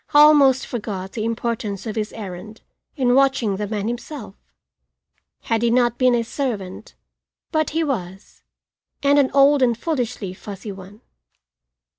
I almost forgot the importance of his errand in watching the man himself. Had he not been a servant but he was, and an old and foolishly fussy one.